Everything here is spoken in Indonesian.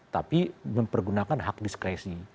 tapi mempergunakan hak diskresi